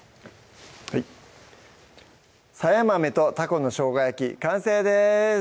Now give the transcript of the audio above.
はい「さや豆とたこの生姜焼き」完成です